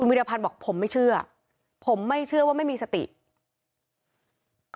แล้วก็ได้คุยกับนายวิรพันธ์สามีของผู้ตายที่ว่าโดนกระสุนเฉียวริมฝีปากไปนะคะ